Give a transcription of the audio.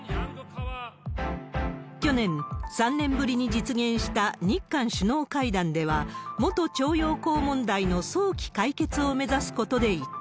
去年、３年ぶりに実現した日韓首脳会談では、元徴用工問題の早期解決を目指すことで一致。